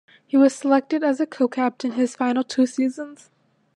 He was selected as a co-captain his final two seasons.